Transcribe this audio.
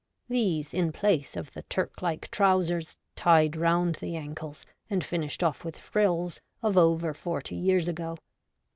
These in place of the Turk like trousers, tied round the ankles and finished off with frills, of over forty years ago.